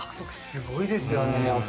すごいですよ。